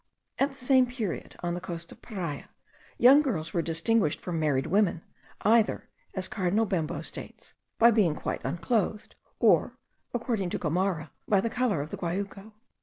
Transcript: At the same period, on the coast of Paria, young girls were distinguished from married women, either, as Cardinal Bembo states, by being quite unclothed, or, according to Gomara, by the colour of the guayuco.